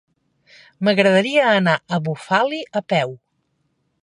M'agradaria anar a Bufali a peu.